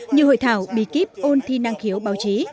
như hội thảo bí kíp ôn thi năng khiếu báo chí